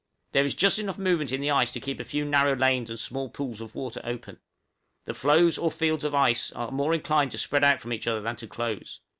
There is just enough movement in the ice to keep a few narrow lanes and small pools of water open; the floes or fields of ice are more inclined to spread out from each other than to close.